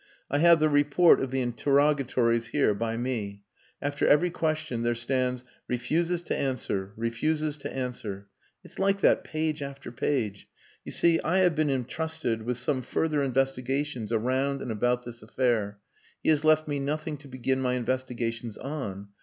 I have the report of the interrogatories here, by me. After every question there stands 'Refuses to answer refuses to answer.' It's like that page after page. You see, I have been entrusted with some further investigations around and about this affair. He has left me nothing to begin my investigations on.